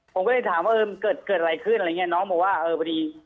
ผมก็เลยถามว่าเออมันเกิดเกิดอะไรขึ้นอะไรอย่างเงี้น้องบอกว่าเออพอดี